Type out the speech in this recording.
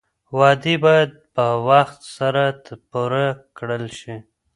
وعدې باید په وخت سره پوره کړل شي.